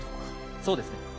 そうですね。